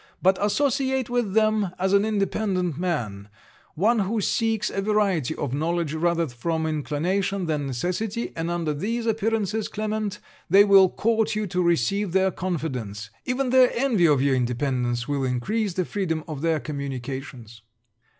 But associate with them as an independent man, one who seeks a variety of knowledge rather from inclination than necessity; and under these appearances, Clement, they will court you to receive their confidence, even their envy of your independence will increase the freedom of their communications.'